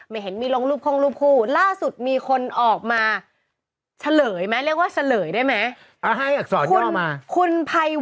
มันก็งอนกันตามภาษานี่แหละ